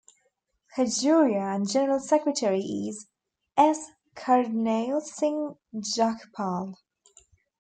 Khajuria and general secretary is S. Karnail Singh Jakhepal.